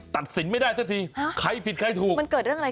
ตัดสินไม่ได้ทันที